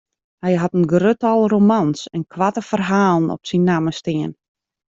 Hy hat in grut tal romans en koarte ferhalen op syn namme stean.